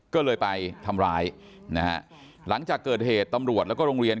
ก็เลยไปทำร้ายนะฮะหลังจากเกิดเหตุตำรวจแล้วก็โรงเรียน